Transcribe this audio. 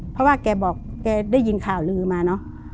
เพราะว่าแกบอกแกได้ยินข่าวลือมาเนอะ